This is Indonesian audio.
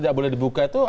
tidak boleh dibuka itu